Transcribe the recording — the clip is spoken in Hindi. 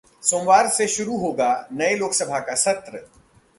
सोमवार से शुरू होगा नए लोकसभा का सत्र